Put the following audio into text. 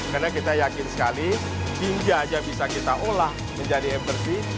karena kita yakin sekali tinja aja bisa kita olah menjadi embersih